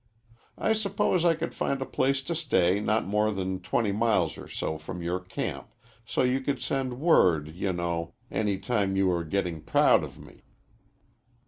I suppose I could find a place to stay not more than twenty miles or so from your camp, so you could send word, you know, any time you were getting proud of me."